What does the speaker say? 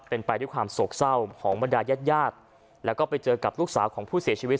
เป็นไปด้วยความโศกเศร้าของบรรดายาดแล้วก็ไปเจอกับลูกสาวของผู้เสียชีวิต